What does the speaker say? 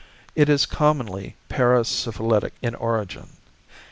It is commonly parasyphilitic in origin.